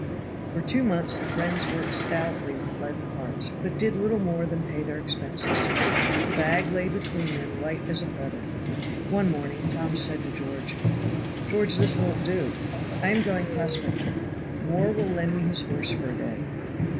For two months the friends worked stoutly with leaden hearts, but did little more than pay their expenses. The bag lay between them light as a feather. One morning Tom said to George: "George, this won't do. I am going prospecting. Moore will lend me his horse for a day."